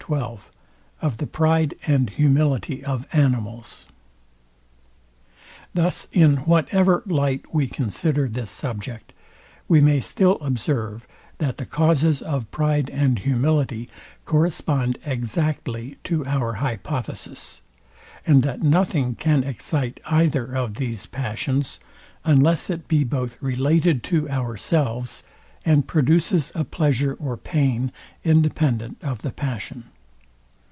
XII OF THE PRIDE AND HUMILITY OF ANIMALS Thus in whatever light we consider this subject, we may still observe, that die causes of pride and humility correspond exactly to our hypothesis, and that nothing can excite either of these passions, unless it be both related to ourselves, and produces a pleasure or pain independent of the passion.